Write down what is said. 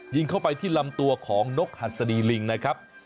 ยิงเข้าไปที่ลำตัวของนกหัสดีลิงนะครับ